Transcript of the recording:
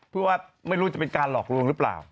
เพื่อว่าไม่รู้จะเป็นการหลอกลวงหรือเปล่า